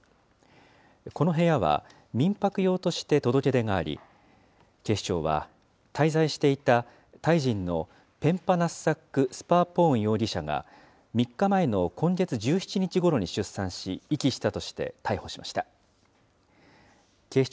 この部屋は、民泊用として届け出があり、警視庁は、滞在していたタイ人のペンパナッサック・スパーポーン容疑者が３日前の今月１７日ごろに出産し、遺棄したとして逮捕しました。